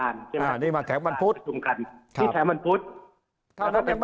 อ่านี่แถมวันพุธ